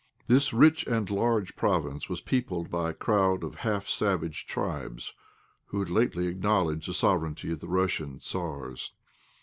This rich and large province was peopled by a crowd of half savage tribes, who had lately acknowledged the sovereignty of the Russian Tzars.